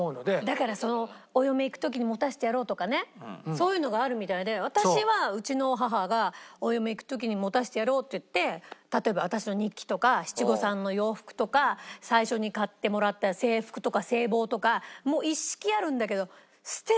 だからそのお嫁行く時に持たせてやろうとかねそういうのがあるみたいで私はうちの母がお嫁行く時に持たせてやろうっていって例えば私の日記とか七五三の洋服とか最初に買ってもらった制服とか制帽とか一式あるんだけど捨てられない。